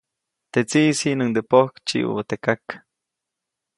Teʼ tsiʼis jiʼnuŋde pojk tsiʼubä teʼ kak.